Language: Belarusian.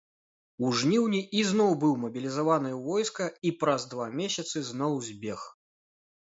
У жніўні ізноў быў мабілізаваны ў войска, і праз два месяцы зноў збег.